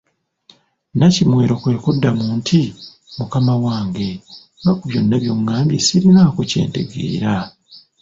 Nnakimwero kwe kumuddamu nti, Mukama wange nga ku byonna by’ongambye sirinaako kye ntegeera.